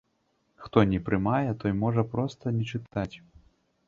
Хто не прымае, той можа проста не чытаць.